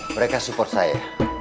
mereka support saya